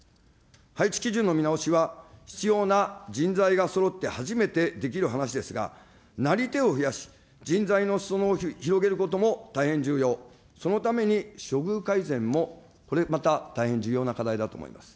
配置基準の見直しは、必要な人材がそろって初めてできる話ですが、なり手を増やし、人材のすそ野を広げることも大変重要、そのために処遇改善も、これまた大変重要な課題だと思います。